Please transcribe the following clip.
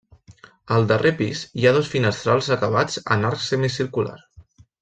Al darrer pis hi ha dos finestrals acabats en arc semicircular.